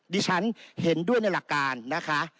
ฉันเห็นด้วยในหลักการนะคะ